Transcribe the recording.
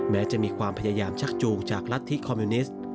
จะมีความพยายามชักจูงจากรัฐธิคอมมิวนิสต์